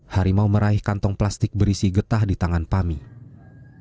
harimau meraih kantong plastik berisi getah di tangan pamit